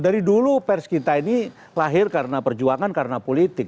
dari dulu pers kita ini lahir karena perjuangan karena politik